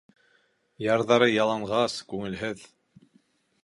Ярҙары яланғас, күңелһеҙ.